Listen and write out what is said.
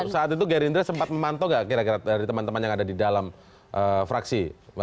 saat itu gerindra sempat memantau gak kira kira dari teman teman yang ada di dalam fraksi